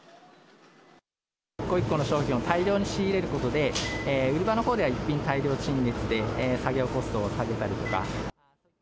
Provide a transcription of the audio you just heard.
一個一個の商品を大量に仕入れることで、売り場のほうでは一品大量陳列で作業コストを下げたりとか。